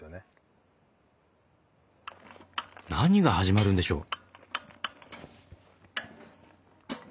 何が始まるんでしょう？